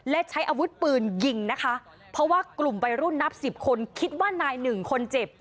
และใช้อาวุธปืนยิงนะคะเพราะว่ากลุ่มวัยรุ่นนับสิบคนคิดว่านายหนึ่งคนเจ็บ